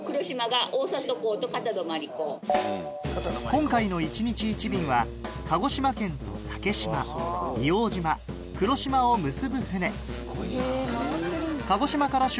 今回の１日１便は鹿児島県と竹島硫黄島黒島を結ぶ船